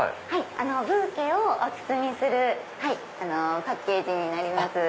ブーケをお包みするパッケージになります。